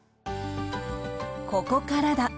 「ここからだ」。